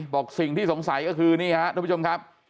บอกสิ่งที่สงสัยก็คือนี่ครับทุกผู้ชมครับ